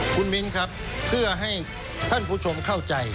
คุณมิ้นครับเพื่อให้ท่านผู้ชมเข้าใจ